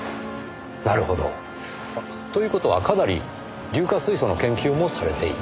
なるほど。という事はかなり硫化水素の研究もされていた。